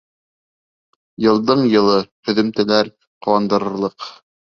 Йылдың-йылы һөҙөмтәләр ҡыуандырырлыҡ!